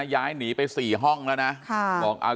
ย้ายหนีไป๔ห้องแล้วนะ